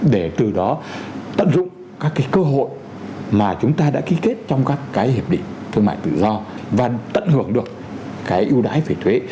để từ đó tận dụng các cái cơ hội mà chúng ta đã ký kết trong các cái hiệp định thương mại tự do và tận hưởng được cái ưu đãi về thuế